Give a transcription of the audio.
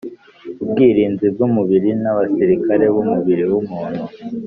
Ubwirinzi bw’umubiri n’abasirikari b’umubiri w’umuntu